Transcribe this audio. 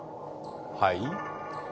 はい？